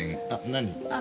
何？